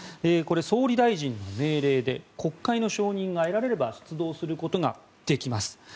総理大臣の命令で国会の承認が得られれば出動することができます。